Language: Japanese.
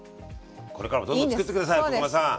これからもどんどんつくって下さいコグマさん。